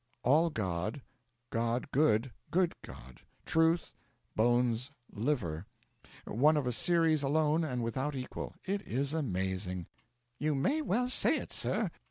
'All God, God good, good God, Truth, Bones, Liver, one of a series alone and without equal it is amazing!' 'You may well say it, sir.